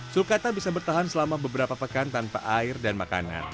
sulcata bisa bertahan selama beberapa pekan tanpa air dan makanan